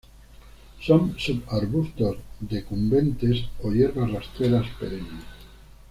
Son subarbustos decumbentes o hierbas rastreras perennes.